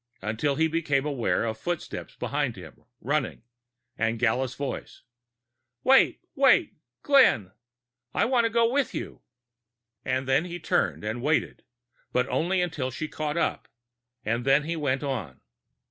Until he became aware of footsteps behind him, running, and Gala's voice: "Wait! Wait, Glenn! I want to go with you!" And he turned and waited, but only until she caught up, and then he went on.